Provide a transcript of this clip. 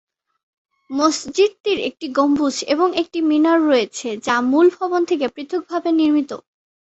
মসজিদটির একটি গম্বুজ এবং একটি মিনার রয়েছে যা মূল ভবন থেকে পৃথকভাবে নির্মিত।